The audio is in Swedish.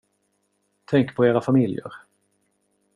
Tänk på era familjer.